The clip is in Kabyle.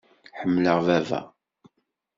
Ḥemmleɣ baba.